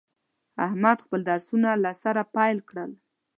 احمد خپل درسونه له سره پیل کړل.